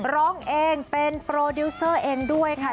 ร้องเองเป็นโปรดิวเซอร์เองด้วยค่ะ